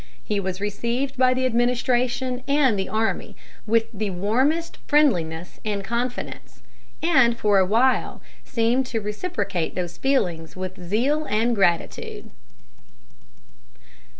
He was received by the administration and the army with the warmest friendliness and confidence, and for awhile seemed to reciprocate these feelings with zeal and gratitude.